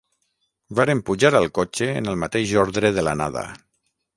Varen pujar al cotxe en el mateix ordre de l'anada